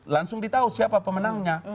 langsung ditahu siapa pemenangnya